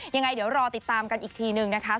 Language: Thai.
ยังไงเดี๋ยวรอติดตามกันอีกทีนึงนะคะ